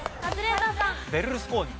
ベルルスコーニ。